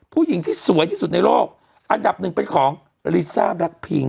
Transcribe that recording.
ผู้หญิงที่สวยที่สุดในโลกอันดับหนึ่งเป็นของลิซ่าแบล็คพิง